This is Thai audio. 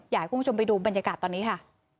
อยากให้คุณผู้ชมไปดูบรรยากาศตอนนี้ค่ะ